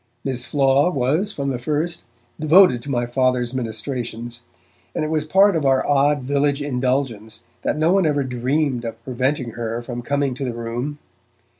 Miss Flaw was, from the first, devoted to my Father's ministrations, and it was part of our odd village indulgence that no one ever dreamed of preventing her from coming to the Room.